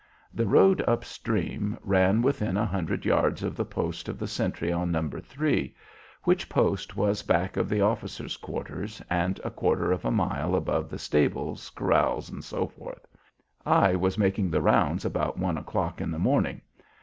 The road up stream ran within a hundred yards of the post of the sentry on No. 3, which post was back of the officer's quarters, and a quarter of a mile above the stables, corrals, etc. I was making the rounds about one o'clock in the morning.